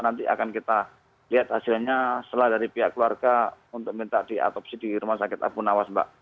nanti akan kita lihat hasilnya setelah dari pihak keluarga untuk minta diatopsi di rumah sakit abu nawas mbak